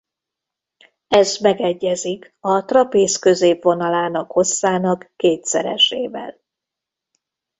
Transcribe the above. Ez megegyezik a trapéz középvonalának hosszának kétszeresével.